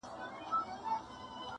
ګل عظيم خليل